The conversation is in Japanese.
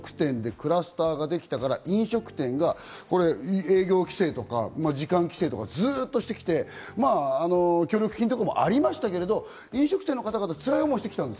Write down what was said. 今までおかしくない？と僕、思うのは飲食店でクラスターができたから、飲食店が営業規制とか時間規制とかずっとしてきて協力金とかもありましたけど、飲食店の方々が辛い思いをしてきた。